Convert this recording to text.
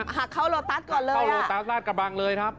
หักเข้าโลตัสก่อนเลยเข้าโลตัสลาดกระบังเลยครับ